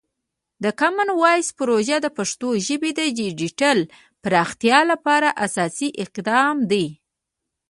د کامن وایس پروژه د پښتو ژبې د ډیجیټل پراختیا لپاره اساسي اقدام دی.